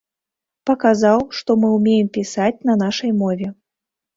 Паказаў, што мы ўмеем пісаць на нашай мове.